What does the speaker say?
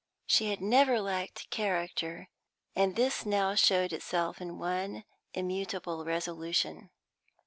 She had never lacked character, and this now showed itself in one immutable resolution.